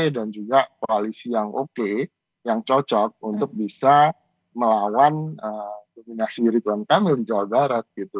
dan juga koalisi yang oke yang cocok untuk bisa melawan dominasi ridwan kamil di jawa barat